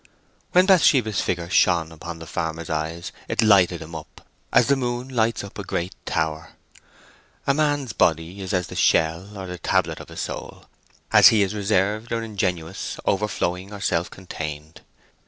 When Bathsheba's figure shone upon the farmer's eyes it lighted him up as the moon lights up a great tower. A man's body is as the shell, or the tablet, of his soul, as he is reserved or ingenuous, overflowing or self contained.